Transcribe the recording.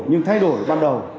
nhưng thay đổi ban đầu